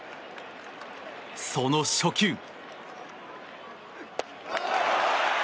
その初球。